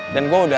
dan gue udah tau